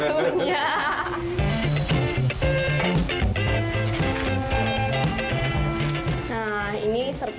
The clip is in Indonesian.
oh ini boleh di